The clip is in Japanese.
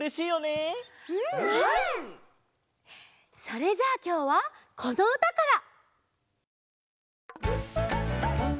それじゃあきょうはこのうたから！